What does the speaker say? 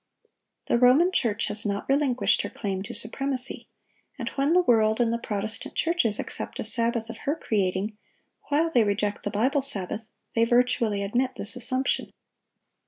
The Roman Church has not relinquished her claim to supremacy; and when the world and the Protestant churches accept a sabbath of her creating, while they reject the Bible Sabbath, they virtually admit this assumption.